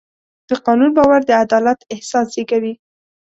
د قانون باور د عدالت احساس زېږوي.